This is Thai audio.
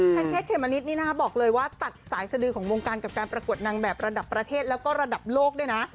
เค้กเขมมะนิดนี่นะคะบอกเลยว่าตัดสายสดือของวงการกับการประกวดนางแบบระดับประเทศแล้วก็ระดับโลกด้วยนะ